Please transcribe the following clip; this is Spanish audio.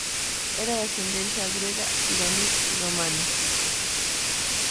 Era de ascendencia griega, iraní y Romana.